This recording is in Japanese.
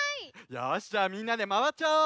よしじゃあみんなでまわっちゃおう！